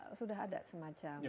itu sudah ada semacam